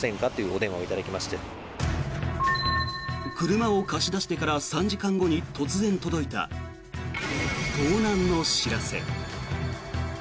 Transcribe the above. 車を貸し出してから３時間後に突然届いた盗難の知らせ。